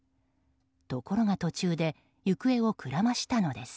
ところが途中で行方をくらましたのです。